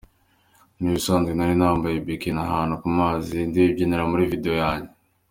Ni ibisanzwe nari nambaye bikini ahantu ku mazi, ndibyinira muri video yanjye.